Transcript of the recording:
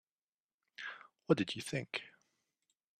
What did you think?